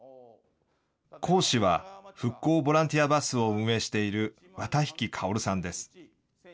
講師は復興ボランティアバスを運営している綿引薫さんです。